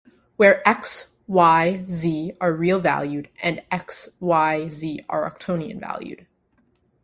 Where "x", "y", "z" are real valued and "X", "Y", "Z" are octonion valued.